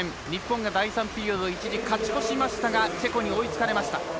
日本が第３ピリオド、一時勝ち越しましたがチェコに追いつかれました。